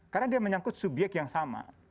karena dia menyangkut subyek yang sama